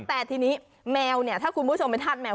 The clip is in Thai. แต่ทีนี้แมวเนี่ยถ้าคุณผู้ชมไปธาตุแมว